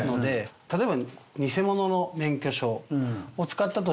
例えば。